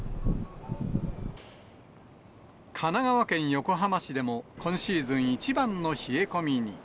神奈川県横浜市でも今シーズン一番の冷え込みに。